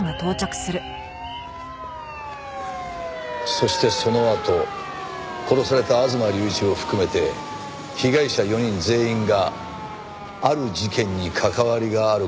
そしてそのあと殺された吾妻隆一を含めて被害者４人全員がある事件に関わりがある事に気づいたんだ。